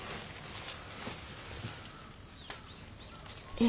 え